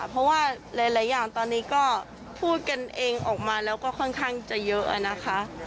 เพราะว่าหลายอย่างตอนนี้ก็พูดกันเองออกมาแล้วก็ค่อนข้างจะเยอะนะคะ